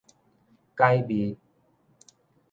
解密